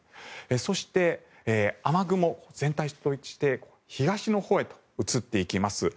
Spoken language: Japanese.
そして雨雲、全体として東のほうへと移っていきます。